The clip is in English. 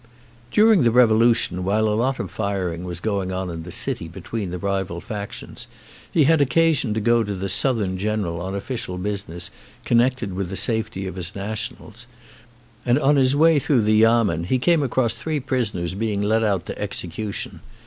During the revolution, while a lot of firing was going on in the city between the rival factions, he had occasion to go to the Southern general on official business connected with the safety of his nationals, and on his way through the yamen he came across three prisoners being led out to execu tion.